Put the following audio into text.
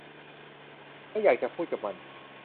ไม่อยากจะพูดกับมัน